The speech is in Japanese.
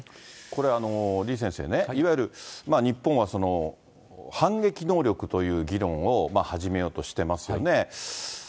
これ、李先生ね、いわゆる日本は反撃能力という議論を始めようとしていますよね。